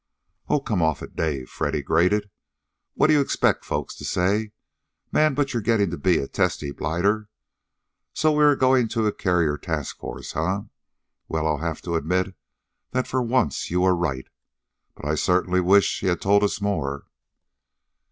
"Oh, come off it, Dave!" Freddy grated. "What do you expect folks to say? Man, but you're getting to be a testy blighter! So we are going to a carrier task force, eh? Well, I'll have to admit that for once you were right. But I certainly wish he'd told us more."